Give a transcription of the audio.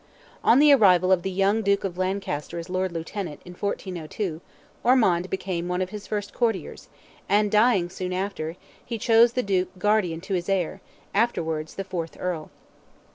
On the arrival of the young Duke of Lancaster as Lord Lieutenant, in 1402, Ormond became one of his first courtiers, and dying soon after, he chose the Duke guardian to his heir, afterwards the fourth Earl.